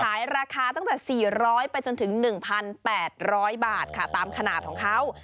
ขายราคาตั้งแต่สี่ร้อยไปจนถึงหนึ่งพันแปดร้อยบาทค่ะตามขนาดของเขา